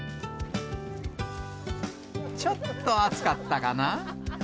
ちょっと熱かったかな。